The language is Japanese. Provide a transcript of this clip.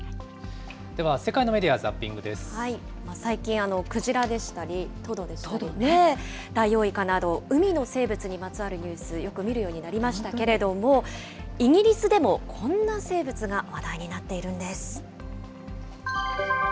では、最近、クジラでしたり、トドでしたりね、ダイオウイカなど海の生物にまつわるニュース、よく見るようになりましたけれども、イギリスでもこんな生物が話題になっているんです。